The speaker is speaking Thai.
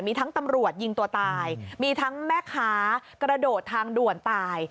มีทั้งตำรวจยิงตัวตายมีทั้งแม่ค้ากระโดดทางด่วนตาย